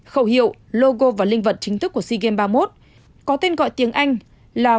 khẩu hiệu logo và linh vật chính thức của sea games ba mươi một có tên gọi tiếng anh là